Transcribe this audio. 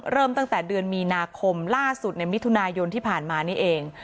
เริ่มตั้งแต่เดือนมีนาคมล่าสุดในมิถุนายนที่ผ่านมานี่เอง